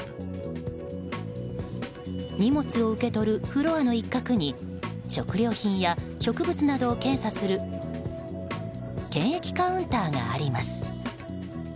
荷物を受け取るフロアの一角に食料品や植物などを検査する検疫カウンターがあります。